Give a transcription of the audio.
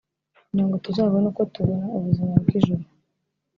kugira ngo tuzabone uko tubona ubuzima bw’ijuru